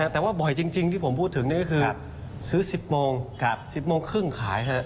แต่ว่าบ่อยจริงที่ผมพูดถึงนี่ก็คือซื้อ๑๐โมง๑๐โมงครึ่งขายเถอะ